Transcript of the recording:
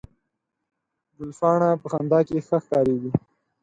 ګلپاڼه په خندا کې ښه ښکارېږي